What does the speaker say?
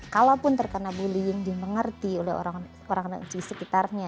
kalaupun terkena bullying dimengerti oleh orang orang sekitarnya